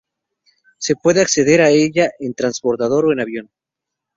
Se puede acceder a ella en transbordador o en avión.